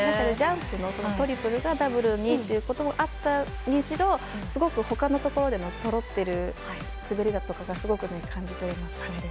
ジャンプのトリプルがダブルにということがあったにしろすごくほかのところでもそろってる滑りだとかがあったとすごく感じていました。